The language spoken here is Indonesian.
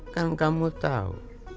kan kamu tahu